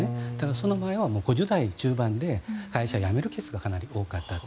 その前は５０代中盤で会社を辞めるケースがかなり多かったと。